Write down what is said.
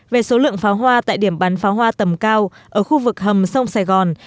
về số lượng pháo hoa tại điểm bắn pháo hoa tầm cao ở khu vực hầm sông sài gòn